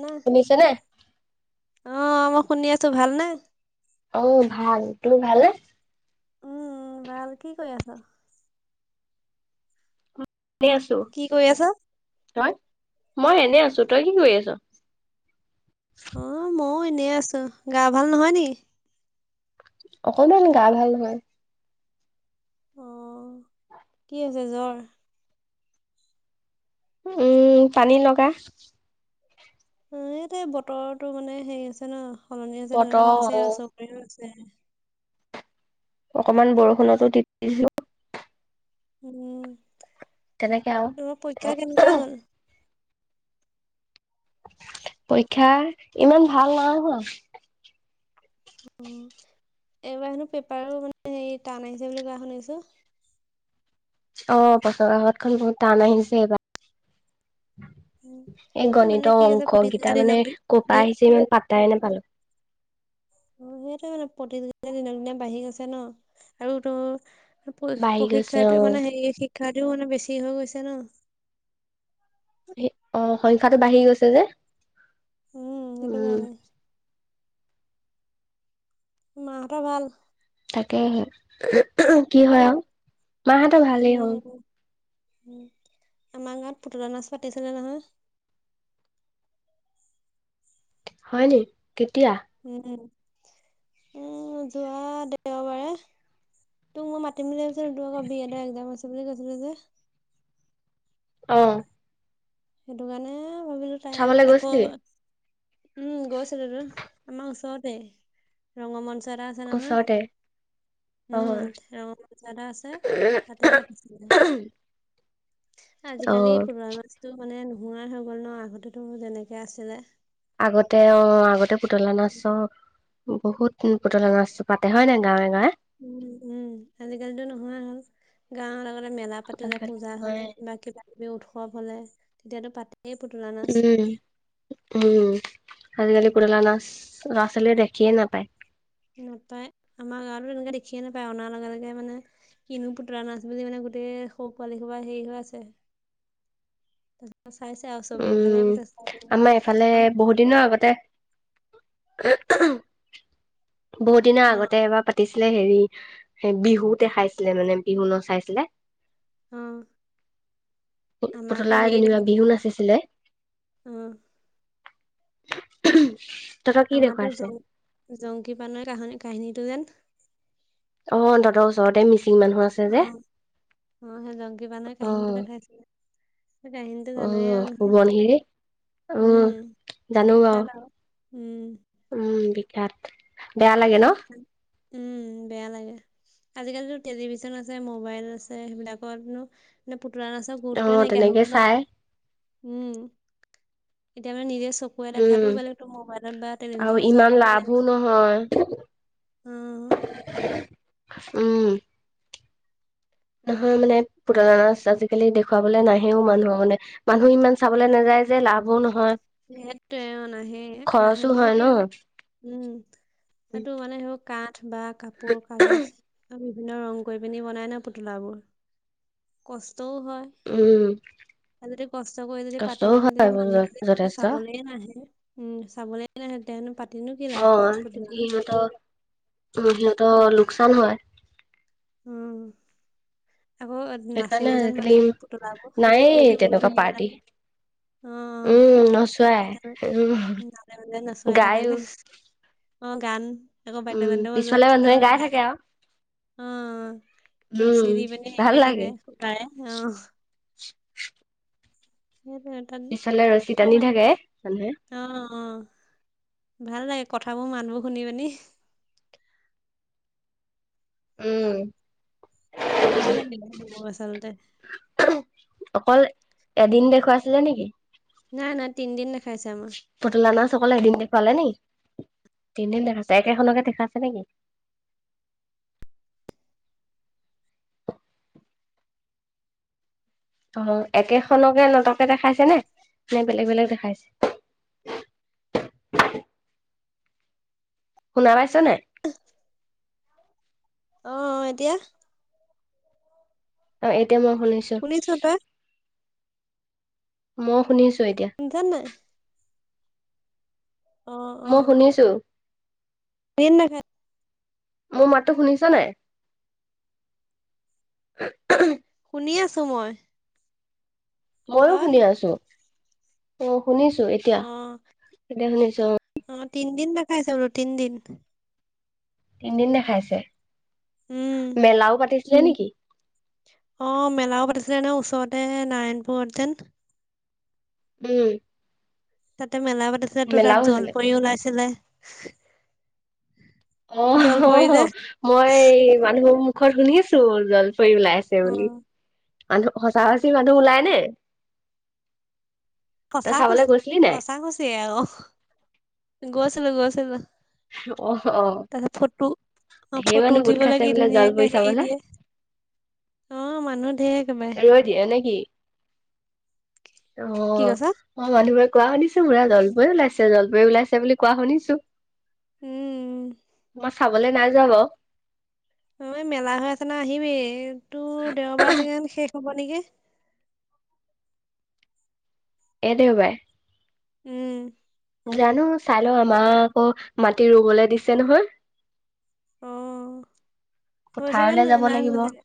ন শুনিছে নে? অ', মই শুনি আছো ভাল নে। অ', ভাল তুমি ভালে নে। উম ভাল কি কৰি আছ। আছো কি কৰি আছা? হয় মই এনে আছো তই কি কৰি আছ। অ', মইয়ো এনেই আছোঁ গা ভাল নহয় নিকি। অকনমান গা ভাল নহয়। অ', কি হৈছে জ্বৰ। উম পানী লগা। এইতে বতৰো মানে হেৰি আছে ন সলনি আছে সেকাৰণে বতৰ হৈছে আৰু অ' চব পিনে হৈছে। অকনমান বৰষুণতো তিতিছো। উম, তেনেকে আৰু। তোমাৰ পৰীক্ষা কেনেকুৱা হ'ল? পৰীক্ষা, ইমান ভাল নাই হোৱা। অ' এইবাৰ হেনো পেপাৰো মানে হেৰি টান আহিছে বুলি কোৱা শুনিছো? অ' পেপাৰ কাকতখন বহুত টান আহিছে এইবাৰ। এই মানে কি গণিতৰ হৈছে প্ৰতিযোগিতা অংককেইটা দিনক মানে দিন ক'ৰপা আহিছে ইমান পাত্তাই নোপালো। অ' সেইটো মানে প্ৰতিযোগিতা দিনক দিনে বাঢ়ি গৈছে ন, আৰু তোৰ বাঢ়ি গৈছে প্ৰশিক্ষাৰ্থী অ'। মানে হে শিক্ষাৰ্থীও মানে বেছি হৈ গৈছে ন। অ' সংখ্যাটো বাঢ়ি গৈছে যে। উম! সেইটো কাৰণে। মাহঁতৰ ভাল? তাকেহে, [unintelligible] কি হয় আৰু। মাহঁতৰ ভালেই উম! অ'। আমাৰ গাঁৱত পুতলা নাচ পাতিছিলে নে নহয়। হয় নি। কেতিয়া? উম-উম। উম, যোৱা দেওবাৰে তোক মই মাতিম বুলি ভাবিছিলো, তোৰ আকৌ বিএডৰ একজাম আছে বুলি কৈছিলি যে। অঁ! সেইটো কাৰণে ভাবিলোঁ তাই চাবলৈ আকৌ গৈছিলি? উম, গৈছিলোটো। আমাৰ ওচৰতে ৰঙ্গমঞ্চ এটা আ আছে নহয়? ওচৰতে অ উম, ৰঙ্গমঞ্চ এটা আছে তাতে পাতিছিলে। অ আজিকালি পুতলা নাচটো মানে নোহোৱাই হৈ গ'ল ন, আগতেতো যেনেকে আছিলে। আগতে অঁ আগতে পুতলা নাচ চাওঁ। বহুত পুতলা নাচটো পাতে হয় নাই গাঁৱে-গাঁৱে? উম-উম, আজিকালিটো নহোৱাই হ'ল। গাঁৱত আগতে মেলা পাতে যে আজিকালি পূজা হ'লে নহয় বা কিবাকিবি উৎসৱ হ'লে তেতিয়াতো পাতেই পুতলা না উম! উম! আজিকালি পুতলা নাচ ল'ৰা-ছোৱালীয়ে দেখিয়ে নাপায়। নাপায়। আমাৰ গাঁৱতো তেনেকে দেখিয়ে নাপায়, অনাৰ লগে-লগে মানে কিনো পুতলা নাচ বুলি মানে গোটেই সৰু পোৱালি সোপা হেৰি হৈ আছে চাইছে আৰু চবেই ভালে পাইছে চাই। ইফালে আম বহুত দিনৰ আগতে [unintelligible] বহুত দিনৰ অ আগতে এবাৰ পাত পাতিছিলে হেৰি সেই বিহু দেখাইছিলে মানে বিহু নচাইছিলে। অ আমাৰ আকৌ পুতলাই হেৰি যেনিবা দেখা বিহু যায়। নাচিছি ছিলে। অ [inaudible] আমাৰটো জং-জংকী পানৈৰ কাহিনী কাহিনীটো যেন অ! তহঁতৰ ওচৰতে মিছ অঁ! অঁ সেই জংকী পানৈৰ অ কাহিনীটো দেখাইছি সেই কাহিনীতো অ জান‌ই আৰু নহয়। সোৱণশিৰি উম! জানো বাৰু বিখ্যাত আৰু। উম! উম! বিখ্যাত। বেয়া লাগে ন [unintelligible] উম! বেয়া লাগে। আজিকালিটো টেলিভিছন আছে, মোবাইল আছে সেইবিলাকতনো এনেই পুতলা নাচ [unintelligible] গুৰুত্বই অ' নাইকিয়া হৈ তেনেকে গ'ল ন। চাই উম! এতিয়া মানে নিজে চব চকুৱে দেখাটো উম বেলেগ তোৰ মোবাইলত বা টেলিভিন চোৱাটোও বেলেগ মানে। হয়। [unintelligible] উম! নহয় মানে পুতলা নাচ আজিকালি দেখুৱাবলৈ নাহেও মানুহৰ মানে। মানুহ ইমান চাবলৈ নাযায় যে লাভো নহয়। সেইটোৱেই অঁ নাহেই। খৰচো নাহে মানে হয় ন কি আৰু উম! সেইটো মানে সেই কাঠ বা কাপোৰ, কাগজ আৰু বিভিন্ন ৰং কৰি পিনি বনাই ন পুতলাবোৰ। কষ্টও হয়। উম আৰু যদি কষ্ট কৰি যদি পাতি কষ্টও পিনি হয় যদি মানুহ যদি যথেষ্ট চাবলেই নাহে উম! চাবলেই নাহে তেতিয়াহলেনো পাত অঁ! সিহঁতৰ অঁ উম সিহঁতৰ লোকচান হয়। উম আক। সেইকাৰণে নাচেও যেন আজিকালি মাজে মাজে পুতলাবোৰ নায়েই কি মোৰ তেনেকুৱা ধুনীয়া পাৰ্টি লাগে। অ উম নচোৱাই উম নে মে নচোৱাই থাকে গায়ো যে। অ গান আকৌ উম বাদ্যযন্ত্ৰ পিছফালে মানুহে নিচিনা গাই লাগে। থাকে আৰু অ উম ৰছী দি পি হেৰি ভাল কৰি লাগে থাকে সূতাৰে অ। সেইটো। পিছফালে ৰছী টানি থাকে মানুহে। অ' অ' ভাল লাগে কথাবোৰ মাতবোৰ শুনি শুনি। উম। থাকিব লাগিলে এইবোৰ আচলতে। অকল এদিন দেখুৱাইছিলে নেকি? নাই নাই তিন দিন নাখাইছো আমাৰ। পুতলা নাচ অকল এদিন দেখুৱালে নি তিনদিন দেখাইছে একেখনকে দেখাইছে নেকি? অ একেখনকে নাটকে দেখাইছে নে নে বেলেগ বেলেগ দেখাইছে। শুনা পাইছ নাই। অ। অ এতিয়া। অ এতিয়া মই শুনিছো। শুনিছ ত‌ই। মই শুনিছো এতিয়া। শুনিছা নাই। অ', মই শুনিছো। ন না। মোৰ মাতটো শুনিছা নাই। উ। শুনি আছো মই। মইো তই শুনি আছো অ শুনিছো এতিয়া অ', এতিয়া শুনিছো অ। অ তিনিদিন দেখাই চ বোলো তিনিদিন। তিনিদিন দেখাইছে উম। মেলাও পাতিছিলে নেকি? অঁ মেলাও পাতিছিলে ন ওচৰতে নাৰায়ণপুৰতেন। উম। তাতে মেলা পাতিছিল তো তাত মেলাও হৈছিলে জলপৰি ওলাইছিলে। অ জলপৰি অ যে মই মানুহৰ মুখত শুনিছো জলফৰি ওলাই আছে। বুলি অ', মানহ সঁচা সচি মানুহ ওলাই নে। তই সঁচা চাবলৈ খুচি গৈছিলি নাই? সঁচা খুচি আৰু গৈছিলোঁ গৈছিলোঁ। অ', অ'। তাৰত ফটো অ ঢেৰ ফটো মানুহ গোট উঠিব খাইছে লাগি বোলে ধুনীয়াকে জলপৰি হেৰি চাবলে, দিয়ে। অ মানুহ ঢেই। ৰজ দিয়ে নেকি? অ। কি কৈছা? মানুহবোৰে কোৱা শুনিছো বুৰা জলপৰি ওলাইছে জলপৰি ওলাইছে বুলি কোৱা শুনিছো। উম। মই চাবলৈ নাইযোৱা বাও। অ এই মেলা হৈ আছে নহয় আহিবি তোৰ দেওবাৰ চাগে শেষ হব নেকি? এই দেও বাই। উম। জানো চাই লও আমাৰ আকৌ মাটি ৰুবলৈ দিছে নহয়। অ হৈছেগে পথাৰলে নাই যাব নাই হৈ লাগিব। চাগে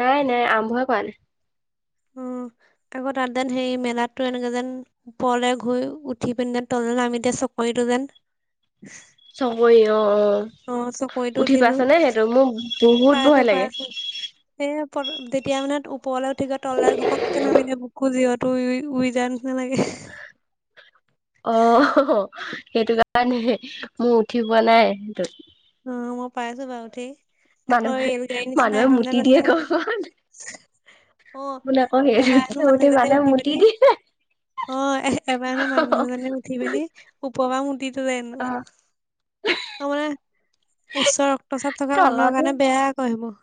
নাই নাই আমভয়ে কৱা নাই। উম' আগৌ তাত যেন সেই মেলাতো এনেকে যেন ওপৰলে ঘুই উঠি পিনে তললে নামি দিয়ে চব- শৰীৰটো যেন- চবৰি অঁ অঁ, অ চকৰিটো উঠি উঠিলো পাইছ নে সেটো মোক বহুত ভয় লাগে। সে তেতিয়া মানে ওপৰলে উঠি গৈ তললে ঘপক কে নামি দিয়ে বো- কো জিঅটো উই উই উই যায় নিছিনা লাগে। অ' হ হ সেইটো কাৰণে, মোৰ উঠি পোৱা নাই সেইটোত। অঁ' মই পাইছো বাও উঠি। আকৌ মানুহে ৰেল গাড়ীৰ নিচিনা মানুহে এখন মুতি মান দিয়ে আছে। ক আপুনি অঁ আকৌ এবাহেনো সেইটোত মানুএজনিয়ে মানুহে উঠি মুতি পিনি- দিয়ে অঁ, এবাৰহেনো মানুহ এজনিয়ে উঠি পিনি- উপপা মুটি তলে হেনো। অ', উচ্চ ৰক্তচাপ থকা মানুহৰ তলতো কাৰণে বেয়া আক সেইবো।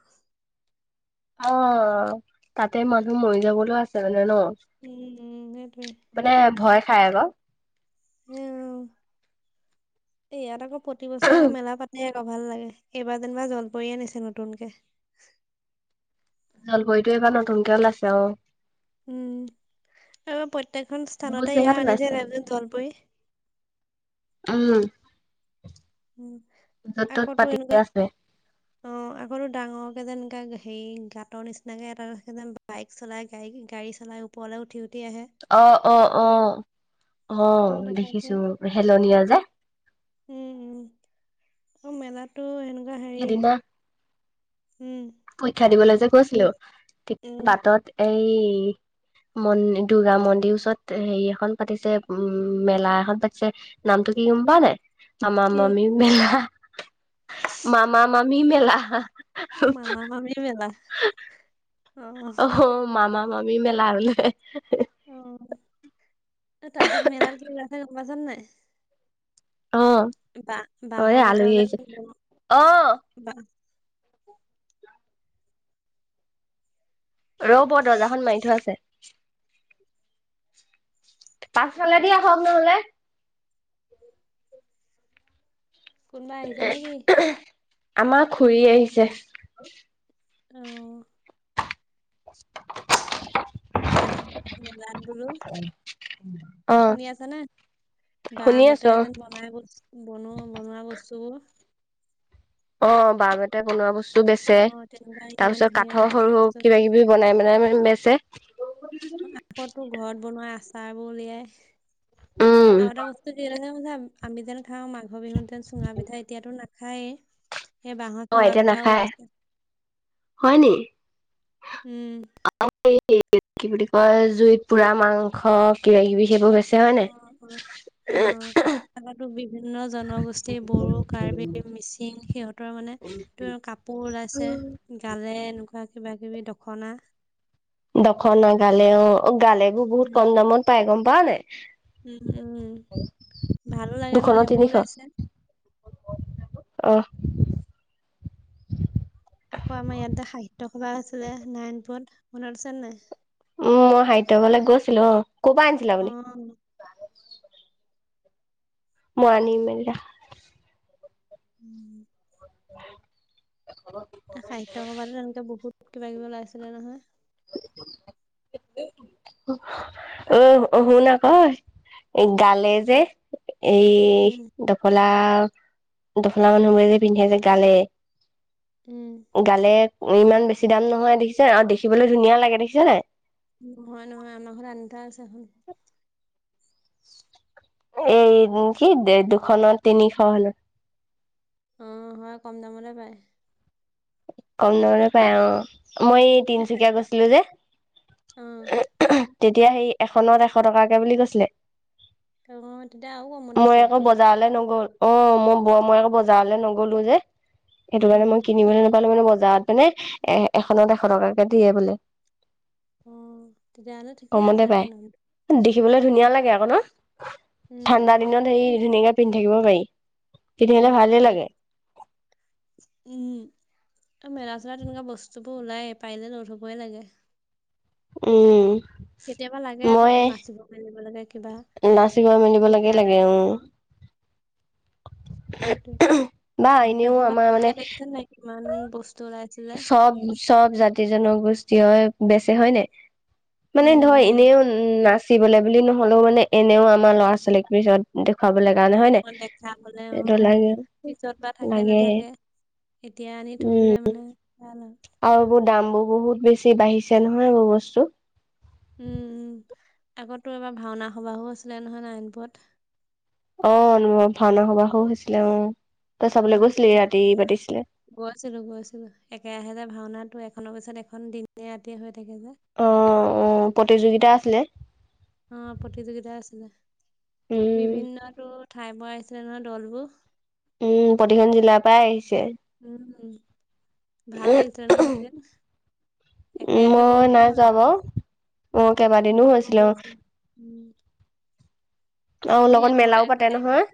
অঁ, তাতে মানুহ মৰি যাবলৌ আছে মানে ন। উম উম' সেইটোৱে। মানে ভয় খাই আক। এউ এই ইয়াত আকৌ প্ৰতিবছৰে আকৌ মেলা পাতে। ভাল লাগে এইবাৰ যেনিবা জল পৰি আনিছে নতুনকে। জল পৰিটো এইবাৰ নতুনকে ওলাইছে অঁ'। উম' আৰু প্ৰত্যেকখন বহুত স্থানতে ইয়া জেগাত আনিছে ওলাইছে নাই জানো জলপৰি। উম' উম' য'ত ত'ত আকৌ তো পাতি এনেকুৱা আছে অঁ'। অঁ' আকৌটো ডাঙৰকে যেন এনেকে হেৰি গাঁতৰ নিচিনাকে এটাে যেন বাইক চলাই গাড়ী গাড়ী চলাই ওপ- পলে উঠি উঠি আহে। অঁ' অঁ' অঁ' অঁ' সেইটোও দেখাইছে দেখিছো হেলনীয়া যে। উম উম' আৰু মেলাতটো এনেকোৱা হেৰি- সেইদিনা উম' পৰীক্ষা দিবলে যে গৈছিলো ঠিক উম বাটত এই- মন দুূৰ্গা মন্দিৰ ওচৰত হেৰি এখন পাতিছে উম মেলা এখন পাতিছে- নামটো কি গম পাও নাই? মামা কি মামি মেলা মামা মামি মেলা। অ মামা মামি মেলা। অ অহ' ও মামা মামি মেলা বোলে। অঁ' ত তাৰপিছত মেলাত কি উলাইছে গম পাইছ নে নাই। অঁ বা অ এ বাঁহৰ বেতৰ আলহী যে আহিছে। অঁ' [unintelligible] ৰব দৰজাখন মাৰি থোৱা আছে। পাছফালে দি আহক নহলে। কোনোবাই আহিছে নেকি? আমা খুৰি আহিছে। অঁ' [inaudible] মেলা মেলাত গলো। অ শুনি আছ নে? বাঁহ শুনি বেটে আছো যেন বনাই গৈছে। বনোৱা বনোৱা বস্তুবোৰ অ', বাঁহ বেতে বনোৱা বস্তু অ বেচে। তেনেকুৱা তাৰ ইমান পিছত ধুনীয়া কাঠৰ বস্তু সৰু বস্তু কিবা কিবি বনাই বনাই মানে বেচে আকৌ তো ঘৰত বনোৱা আচাৰ বোৰ উলিয়াই উম আৰু এটা বস্তু আমি যেন খাওঁ মাঘৰ বিহুত যেন চুঙা পিঠা এতিয়াতো নাখায়েই। সেই বাঁহৰ অ চুঙা এতিয়া পিঠাও নাখায়। ওলাইছে। হয় নি উম অ এই কি বুলি কয় জুইত পোৰা মাংস কিবা কিবি সেইবোৰ বেছি হয় অ', অ', অ নাই। আগতো বিভিন্ন জনগোষ্ঠীৰ বড়ো, কাৰ্বি, মিচিং সিহঁতৰ মানে ত কাপোৰ ওলাইছে গালে এনেকুৱা কিবা কিবি দখনা দখনা গালে অ গালে বোৰ বহুত উম, কম সেই- দামত পাই গম পাৱ নাই? উম উম ভালো লাগে দুশ ন সেইবোৰ তিনিশ ওলাইছে। অ আকৌ আমাৰ ইয়াত সাহিত্য সভা আছিলে নাৰায়ণপুৰত। মনত আছে নাই? উম মই সাহিত্য সভালৈ গৈছিলো অ। ক'ৰ পৰা আনিছিলে আপুনি উম মই আনিমে যা। [unintelligible] [unintelligible] সাহিত্য সভাতো তেনেকে বহুত কিবা কিবি উলাইছিলে নহয়। অ অ শুন আক। গালে যে ক- এই উম, ডফলা ডফলা মানুহবোৰে যে পিন্ধে যে গালে। উম গালে ইমান বেছি দাম নহয় দেখিছে আৰু দেখিবলৈ ধুনীয়া লাগে দেখিছেনে। নহয় নহয় আমাৰ ঘৰত আনি থোৱা আছে এখন এই কি দুশ ন তিনিশ হ'লে অ হয় কম দামতে পায়। কম দামতে পায় অ। মই এই তিনচুকীয়া খাইছে অ গৈছিলো যে উম তেতিয়া সেই এখনত এশ টকাকে বুলি কৈছিলে। তেতিয়া আৰু কমত দিছে মই আকৌ তেতিয়া বজাৰলৈ নগ'ল অ মই ব মই আকৌ বজাৰলৈ নগলো যে। সেইটো কাৰণে মই কিনিবলৈ নাপালোঁ। মানে বজাৰত মানে এখনত এশ টকাকে দিয়ে বোলে। উম তেতিয়া হ'লে কমতে পাই দেখিবলে ধুনীয়া উম লাগে আকৌ ন। উম ঠাণ্ডা দিনত হেৰি উম ধুনীয়াকে পিন্ধি থাকিব পাৰি। পিন্ধিলে উম ভালে পাৰি। লাগে উম মেলা চেলা তেনেকুৱা বস্তুবোৰ ওলাই পাৰিলে ন ধুবই লাগে। উম কেতিয়াবা লাগে আকৌ মই তোৰ নাচিব মেলিব লাগে কিবা নাচিব মেলিব লাগে লাগে বিদ্যালয়ত উ অ সেইটোৱেই বা সাহিত্য এনেও সভাত আমাৰ মানে তেনেকে দেখিছাঁ নাই কিমান বস্তু ওলাই। চব চব জাতি জনগোষ্ঠীয় বেচে হয় নাই? মানে ধৰ উম এনেও নাচিবলৈ বুলি নহ'লেও মানে এনেও আমাৰ ল'ৰা ছোৱালীৰ পিছত দেখুৱাবলে কাৰণে হয় নাই উম অ দেখা হলে অ সেইটো লাগে পিছত বা থাকে লাগে নাথাকে এতিয়া আনি থৈ দিলে মানে ভাল আৰু আও এইবোৰ দাম বহুত বেছি বাঢ়িছে নহয় এইবোৰ বস্তু উম উম আগতো এবাৰ ভাওনা সবাহো আছিলে নহয় নাৰায়ণপুৰত অ ভাওনা সবাহো হৈছিলে অ তই চাবলৈ উম। গৈছিলি ৰাতি পাতিছিলে গৈছিলো গৈছিলো একে ৰাহে যে ভাওনাটো এখনৰ পিছত এখন দিনে ৰাতিয়ে হৈ থাকে যে অ অ প্ৰতিযোগিতা আছিলে অ প্ৰতিযোগিতা আছিলে উম বিভিন্নতো ঠাইৰ পৰা আহিছিলে নহয় দলবোৰ উম প্ৰতিখন জিলাৰ পৰা আহিছে উম ভাল লাগিছিলে ন সেইকেদিন উ মই নাই যোৱ বাও অ অ' কেইবাদিনো মই হৈছিলে অ গৈছিলো। উম। অ আমাৰ লগত ইয়াত হয় মেলাও আকৌ পাতে দেই। নহয়।